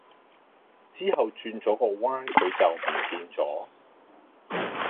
之後轉左個彎佢就唔見左